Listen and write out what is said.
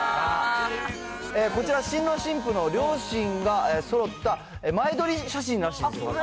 こちら、新郎新婦の両親がそろった前撮り写真らしいですよ。